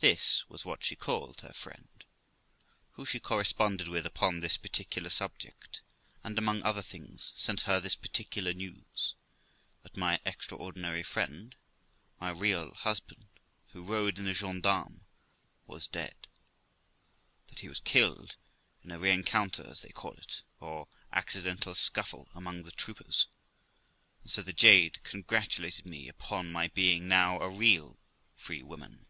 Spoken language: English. This was what she called her friend, who she corresponded with upon this parti THE LIFE OF ROXANA 2; I cular subject, and, among other things, sent her this particular news, that my extraordinary friend, my real husband, who rode in the gens d'armes, was dead, that he was killed in a rencounter, as they call it, or accidental scuffle among the troopers; and so the jade congratulated me upon my being now a real free woman.